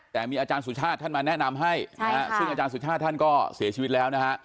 แต่มีอาจารย์สุชาติท่านมาแนะนำให้ซึ่งอาจารย์สุชาติท่านก็เสียชีวิตแล้วนะฮะ